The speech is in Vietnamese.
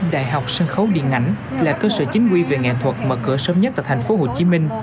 đại học sân khấu điện ảnh là cơ sở chính quy về nghệ thuật mở cửa sớm nhất tại tp hcm